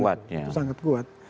itu sangat kuat